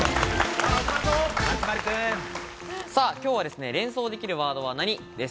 今日は「連想できるワードは何！？」です。